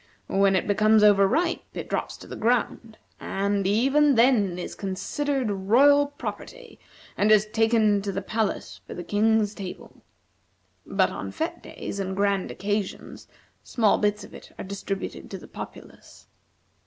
When it becomes overripe, it drops to the ground, and, even then, it is considered royal property, and is taken to the palace for the King's table. But on fête days and grand occasions small bits of it are distributed to the populace."